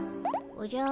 おじゃ。